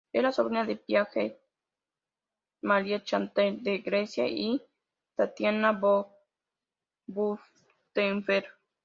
Es la sobrina de Pia Getty, Marie-Chantal de Grecia y Tatiana von Fürstenberg.